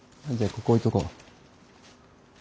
ここ置いとこう。